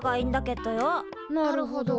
なるほど。